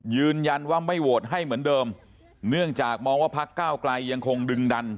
ยืนยันว่าไม่โหวตให้เหมือนเดิมเนื่องจากมองว่าพักก้าวไกลยังคงดึงดัน